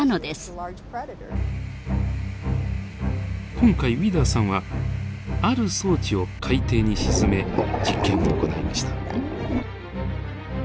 今回ウィダーさんはある装置を海底に沈め実験を行いました。